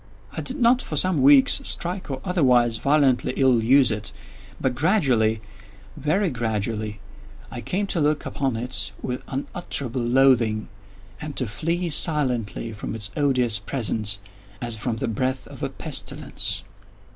I did not, for some weeks, strike, or otherwise violently ill use it; but gradually—very gradually—I came to look upon it with unutterable loathing, and to flee silently from its odious presence, as from the breath of a pestilence.